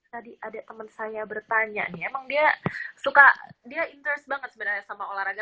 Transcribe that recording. tadi ada teman saya bertanya nih emang dia suka dia interest banget sebenarnya sama olahraga